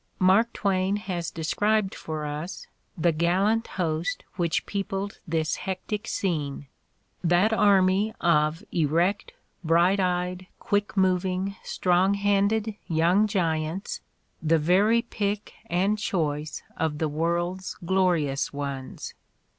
Mark Twain has described for us the "gallant host" which peopled this hectic scene, that army of "erect, bright eyed, quick moving, strong handed young giants — the very pick 202 The Ordeal of Mark Twain and choice of the world's glorious ones."